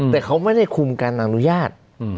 แต่เขาไม่ได้คุมการอนุญาต